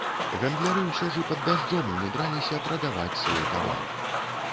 Гандляры ўсё ж і пад дажджом умудраліся прадаваць свой тавар.